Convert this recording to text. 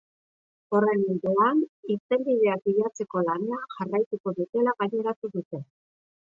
Horren ildoan, irtenbideak bilatzeko lanean jarraituko dutela gaineratu dute.